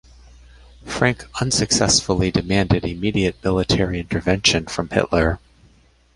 Frank unsuccessfully demanded immediate military intervention from Hitler.